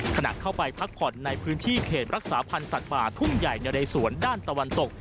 ขณะเข้าไปพักผ่อนในพื้นที่เขตรักษาพันธ์สัตว์ป่าทุ่งใหญ่นะเรสวนด้านตะวันตก